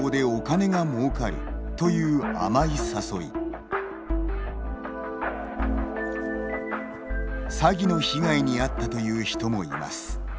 ＳＮＳ上にある詐欺の被害に遭ったという人もいます。